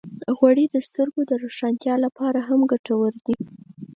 غوړې د سترګو د روښانتیا لپاره هم ګټورې دي.